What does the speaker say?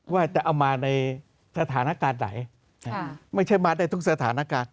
ว่าจะเอามาในสถานการณ์ไหนไม่ใช่มาได้ทุกสถานการณ์